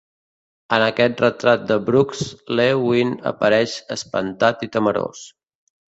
En aquest retrat de Brooks, Lewis apareix espantat i temerós.